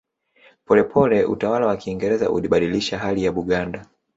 Polepole utawala wa Kiingereza ulibadilisha hali ya Buganda